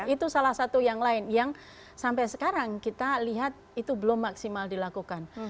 itu salah satu yang lain yang sampai sekarang kita lihat itu belum maksimal dilakukan